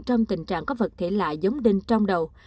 trong tình trạng có vật thể lạ giống đinh trong đầu